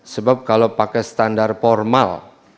sebab kalau pakai standar formal